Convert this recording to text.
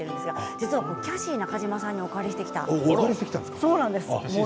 実はキャシー中島さんからお借りしてきました。